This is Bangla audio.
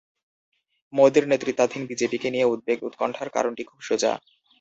মোদির নেতৃত্বাধীন বিজেপিকে নিয়ে উদ্বেগ উৎকণ্ঠার কারণটি খুব সোজা।